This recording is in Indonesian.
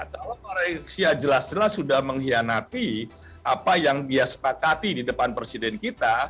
kalau malaysia jelas jelas sudah mengkhianati apa yang dia sepakati di depan presiden kita